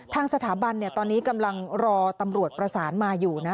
ทางสถาบันตอนนี้กำลังรอตำรวจประสานมาอยู่นะ